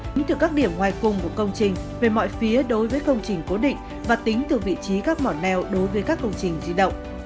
tính từ các điểm ngoài cùng của công trình về mọi phía đối với công trình cố định và tính từ vị trí các mỏ neo đối với các công trình di động